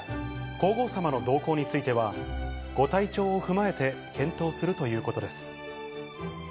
皇后さまの同行については、ご体調を踏まえて検討するということです。